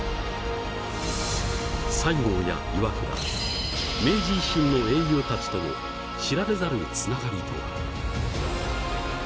西郷や岩倉明治維新の英雄たちとの知られざるつながりとは？